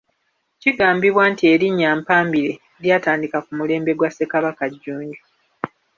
Kigambibwa nti erinnya 'Mpambire’ lyatandika ku mulembe gwa Ssekabaka Jjunju.